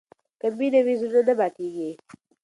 که مینه وي، زړونه نه ماتېږي.